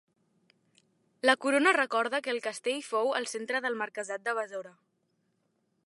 La corona recorda que el castell fou el centre del marquesat de Besora.